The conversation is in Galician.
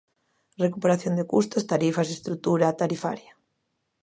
Recuperación de custos, tarifas, estrutura tarifaria...